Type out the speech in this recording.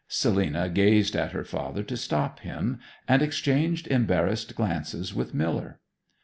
Selina gazed at her father to stop him, and exchanged embarrassed glances with Miller.